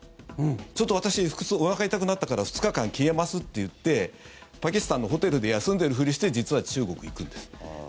ちょっと私おなか痛くなったから２日間消えますって言ってパキスタンのホテルで休んでるふりして実は中国に行くんです。